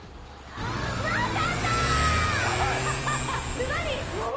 ズバリ。